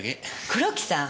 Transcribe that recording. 黒木さん！